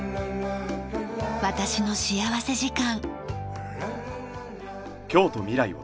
『私の幸福時間』。